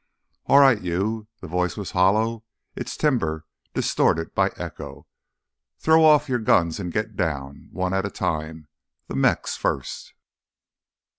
"All right, you...." The voice was hollow, its timbre distorted by echo. "Throw off your guns an' git down ... one at a time ... th' Mex first."